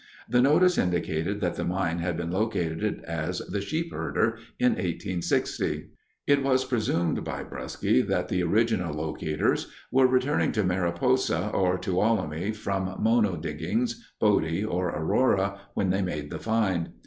The notice indicated that the mine had been located as "The Sheepherder" in 1860. It was presumed by Brusky that the original locators were returning to Mariposa or Tuolumne from Mono Diggings, Bodie, or Aurora when they made the find.